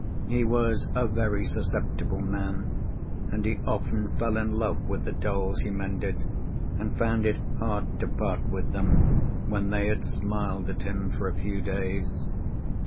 He was a very susceptible man, and he often fell in love with the dolls he mended, and found it hard to part with them when they had smiled at him for a few days.